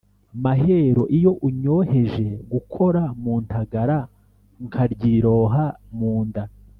Mahero iyo unyohejeGukora mu ntagaraNkaryiroha mu nda